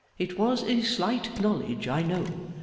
It was a slight knowledge, I know.